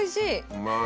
うまい。